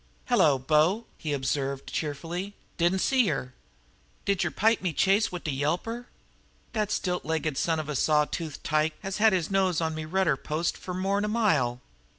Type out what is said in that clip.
"Hello, bo!" he observed cheerfully. "Didn't see yer. Did yer pipe me chase wid de yelper? Dat stilt legged son of a saw toothed tyke has had his nose on me rudder post fer more'n a mile."